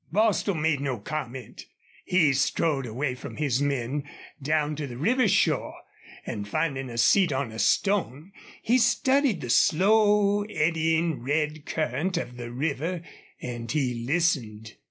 Bostil made no comment. He strode away from his men down to the river shore, and, finding a seat on a stone, he studied the slow eddying red current of the river and he listened.